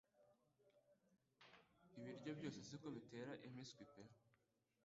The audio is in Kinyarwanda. ibiryo byose siko bitera impiskwi pe